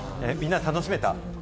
みんな、楽しめた？